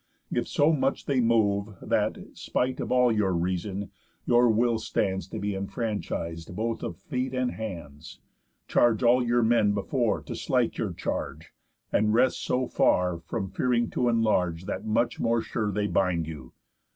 If so much they move, That, spite of all your reason, your will stands To be enfranchis'd both of feet and hands, Charge all your men before to slight your charge, And rest so far from fearing to enlarge That much more sure they bind you.